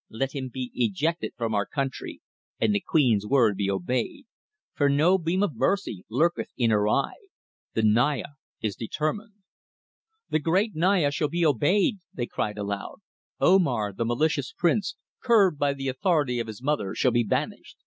Let him be ejected from our country and the queen's word be obeyed, for no beam of mercy lurketh in her eye. The Naya is determined." "The great Naya shall be obeyed," they cried aloud. "Omar, the malicious prince, curbed by the authority of his mother, shall be banished."